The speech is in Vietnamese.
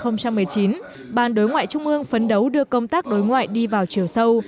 năm hai nghìn một mươi chín ban đối ngoại trung ương phấn đấu đưa công tác đối ngoại đi vào chiều sâu